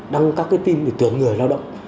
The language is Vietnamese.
đăng các cái tin để tưởng người lao động